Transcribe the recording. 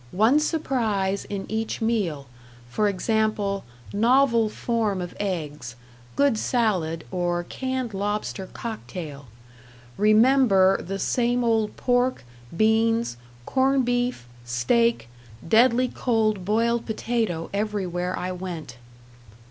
One surprise in each meal for example, novel form of eggs, good salad, or canned lobster cocktail. Rem. the same old pork, beans, cornbeef, steak, deadly cold boiled potato everywhere I went.